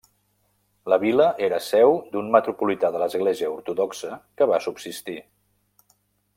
La vila era seu d'un metropolità de l'església ortodoxa que va subsistir.